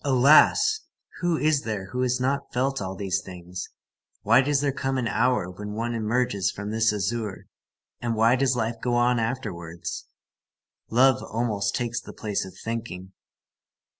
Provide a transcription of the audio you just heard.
Alas! Who is there who has not felt all these things? Why does there come an hour when one emerges from this azure, and why does life go on afterwards? Loving almost takes the place of thinking.